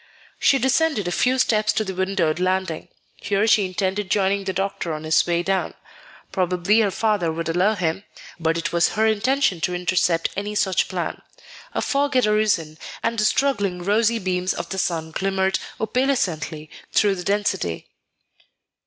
She descended a few steps to the windowed landing. Here she intended joining the doctor on his way down. Probably her father would follow him; but it was her intention to intercept any such plan. A fog had arisen, and the struggling rosy beams of the sun glimmered opalescently through the density.